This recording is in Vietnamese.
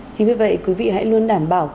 chính vì vậy quý vị hãy luôn đảm bảo